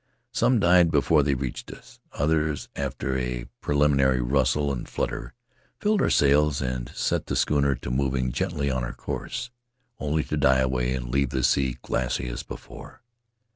Some died before they reached us; others, after a preliminary rustle and flutter, filled our sails and set the schooner to moving gently on her course ... only to die away and leave the sea glassy as before.